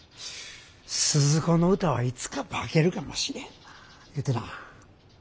スズ子の歌はいつか化けるかもしれへんないうてな。